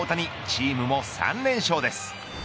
チームも３連勝です。